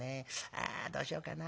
ああどうしようかな。